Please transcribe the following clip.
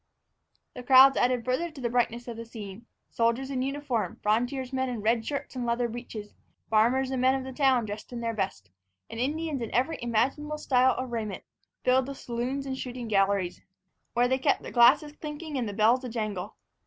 The crowds added further to the brightness of the scene. Soldiers in uniform, frontiersmen in red shirts and leather breeches, farmers and men of the town, dressed in their best, and Indians in every imaginable style of raiment, filled the saloons and shooting galleries, where they kept the glasses clinking and the bells a jangle.